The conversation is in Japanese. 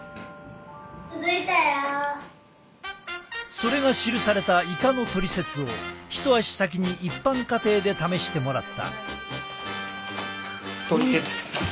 それが記された「イカのトリセツ」を一足先に一般家庭で試してもらった。